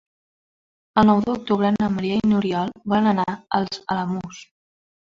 El nou d'octubre na Maria i n'Oriol volen anar als Alamús.